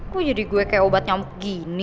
kok jadi gue kayak obat nyamuk gini